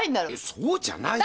そうじゃないよ。